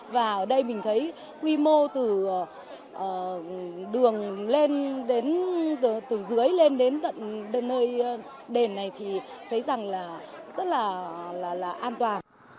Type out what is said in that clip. và ở đây mình thấy quy mô từ đường lên đến từ dưới lên đến tận nơi đền này thì thấy rằng là rất là an toàn